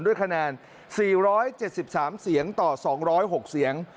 ด้วยคะแนน๔๗๓เสียงต่อ๒๐๖เสียง